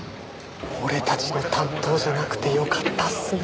俺たちの担当じゃなくてよかったっすね。